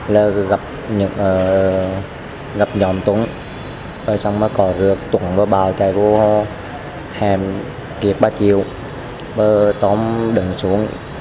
rồi gặp nhóm tùng rồi xong rồi gặp tùng bảo chạy qua hẻm kiệt ba chiều tóm đường xuống